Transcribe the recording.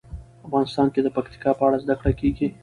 افغانستان کې د پکتیکا په اړه زده کړه کېږي.